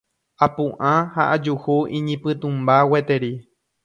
Apu'ã ha ajuhu iñipytũmba gueteri.